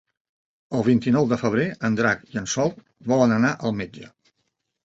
El vint-i-nou de febrer en Drac i en Sol volen anar al metge.